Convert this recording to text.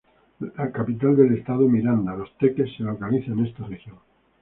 La capital del estado Miranda, Los Teques, se localiza en esta región.